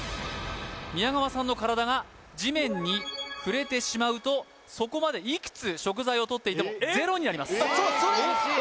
宮川さんの体が地面に触れてしまうとそこまでいくつ食材をとっていてもゼロになりますえ